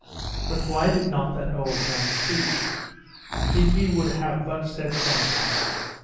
But why did not that old man speak? If he would have but said something!....